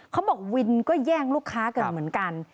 เขาบอกวินก็แย่งลูกค้ากันเหมือนกัน